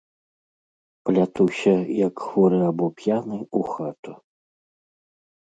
Плятуся, як хворы або п'яны, у хату.